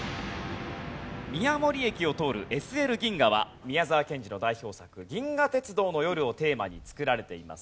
宮守駅を通るＳＬ銀河は宮沢賢治の代表作『銀河鉄道の夜』をテーマに作られています。